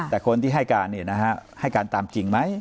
แต่คนที่ให้การเนี่ยนะฮะให้การตามจริงไหม